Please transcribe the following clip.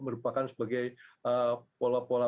merupakan sebagai pola pola